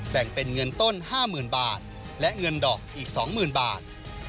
แบ่งเป็นเงินต้น๕๐๐๐บาทและเงินดอกอีก๒๐๐๐บาท